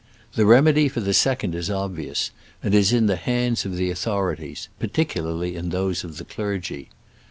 The remedy for the second is obvious, and is in tfie hands of the authorities, particularly in those of the clergy.